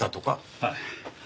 はい。